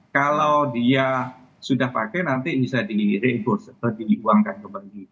kalau dia sudah pakai nanti bisa direbus atau dibuangkan kembali